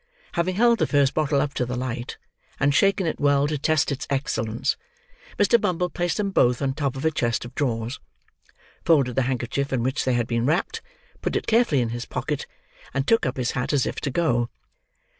Having held the first bottle up to the light, and shaken it well to test its excellence, Mr. Bumble placed them both on top of a chest of drawers; folded the handkerchief in which they had been wrapped; put it carefully in his pocket; and took up his hat, as if to go.